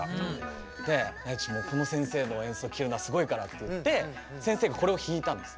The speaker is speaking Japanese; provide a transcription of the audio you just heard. この先生の演奏聴けるのはすごいからって言って先生がこれを弾いたんです。